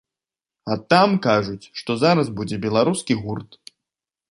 А там кажуць, што зараз будзе беларускі гурт.